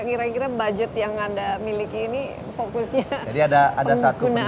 kira kira budget yang anda miliki ini fokusnya penggunaannya untuk mana saja